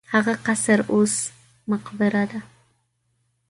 هغه قصر اوس مقبره ده.